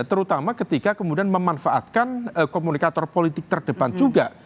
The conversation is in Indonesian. terutama ketika kemudian memanfaatkan komunikator politik terdepan juga